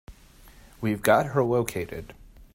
We've got her located.